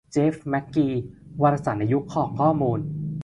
เจฟ แมคกี : วารสารศาสตร์ในยุคของข้อมูล